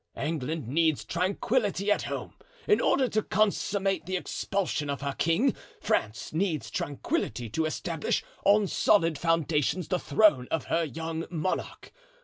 England needs tranquillity at home, in order to consummate the expulsion of her king; France needs tranquillity to establish on solid foundations the throne of her young monarch.